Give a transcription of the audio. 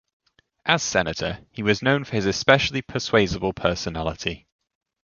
As senator, he was known for his especially persuasible personality.